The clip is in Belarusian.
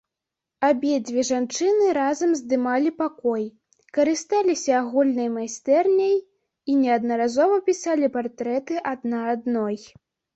Абедзве жанчыны разам здымалі пакой, карысталіся агульнай майстэрняй і неаднаразова пісалі партрэты адна адной.